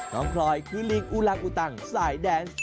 น้องพลอยคือลิงอุลากุตั่งสายแดน